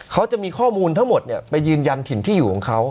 เขาจะมีข้อมูลทั้งหมดไปยืนยันถิ่นที่อยู่ของเขา